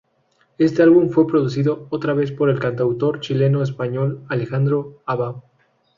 Éste álbum fue producido otra vez por el cantautor chileno-español Alejandro Abad.